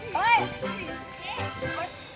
เมื่อ